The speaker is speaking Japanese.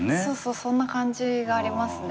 そんな感じがありますね。